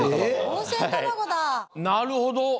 なるほど。